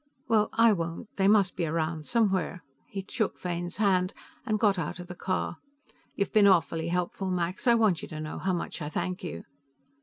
"Well, I won't. They must be around somewhere." He shook Fane's hand, and got out of the car. "You've been awfully helpful, Max. I want you to know how much I thank you."